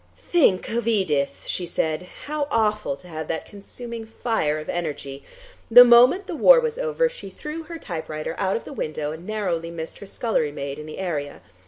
"Think of Edith," she said. "How awful to have that consuming fire of energy. The moment the war was over she threw her typewriter out of the window and narrowly missed her scullery maid in the area.